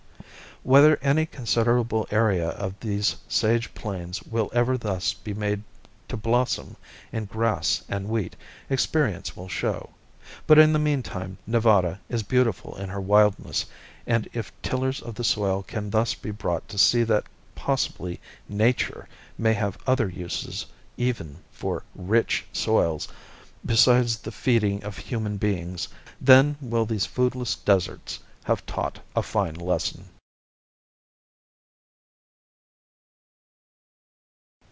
Whether any considerable area of these sage plains will ever thus be made to blossom in grass and wheat, experience will show. But in the mean time Nevada is beautiful in her wildness, and if tillers of the soil can thus be brought to see that possibly Nature may have other uses even for rich soils besides the feeding of human beings, then will these foodless "deserts" have taught a fine lesson.